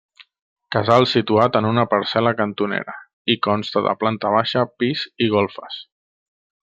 Casal situat en una parcel·la cantonera i consta de planta baixa, pis i golfes.